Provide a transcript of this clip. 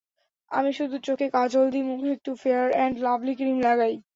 আমি শুধু চোখে কাজল দিই, মুখে একটু ফেয়ার অ্যান্ড লাভলি ক্রিম লাগাই।